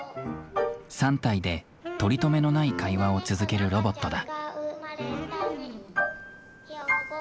３体で取りとめのない会話を続けるロボットだ。